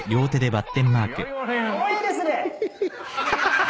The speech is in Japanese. いいですね！